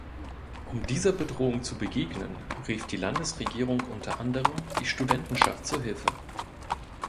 Um dieser Bedrohung zu begegnen, rief die Landesregierung unter anderem die Studentenschaft zur Hilfe.